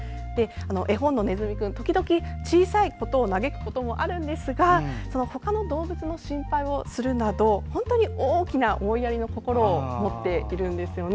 絵本のねずみくん時々、小さいことを嘆くこともあるんですがほかの動物の心配もするなど本当に大きな思いやりの心を持っているんですよね。